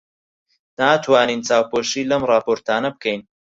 ناتوانین چاوپۆشی لەم ڕاپۆرتانە بکەین.